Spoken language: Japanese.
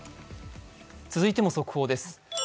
続いても速報です。